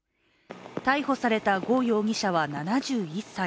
逮捕された呉容疑者は７１歳。